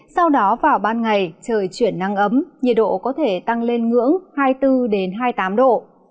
sau đó vào ban ngày trời chuyển năng ấm nhiệt độ có thể tăng lên ngưỡng hai mươi bốn hai mươi tám độ